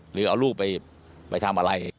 หรือเอาลูกไปทำอะไร